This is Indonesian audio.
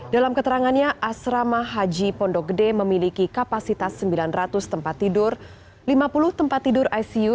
dalam keterangannya asrama haji pondok gede memiliki kapasitas sembilan ratus tempat tidur lima puluh tempat tidur icu